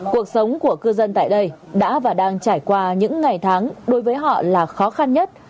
cuộc sống của cư dân tại đây đã và đang trải qua những ngày tháng đối với họ là khó khăn nhất